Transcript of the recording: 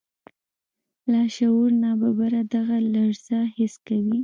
لاشعور ناببره دغه لړزه حس کوي.